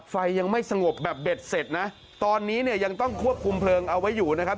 ไฟยังไม่สงบแบบเบ็ดเสร็จนะตอนนี้เนี่ยยังต้องควบคุมเพลิงเอาไว้อยู่นะครับ